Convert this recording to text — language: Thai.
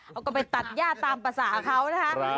เขาก็ไปตัดย่าตามภาษาเขานะคะ